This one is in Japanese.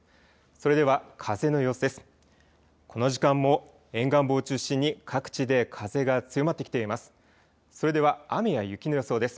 それでは、風の様子です。